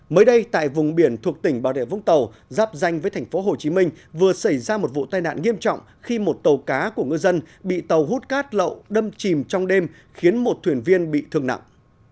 mới đây tại vùng biển thuộc tỉnh bảo đệ vũng tàu dắp danh với thành phố hồ chí minh vừa xảy ra một vụ tai nạn nghiêm trọng khi một tàu cá của ngư dân bị tàu hút cát lậu đâm chìm trong đêm khiến một thuyền viên bị thương nặng